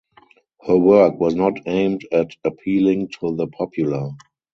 Her work was not aimed at appealing to the popular.